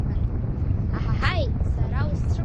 Аҳаҳаи, сара усцәымшәан.